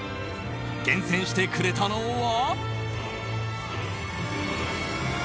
厳選してくれたのは。